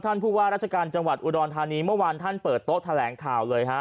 ผู้ว่าราชการจังหวัดอุดรธานีเมื่อวานท่านเปิดโต๊ะแถลงข่าวเลยฮะ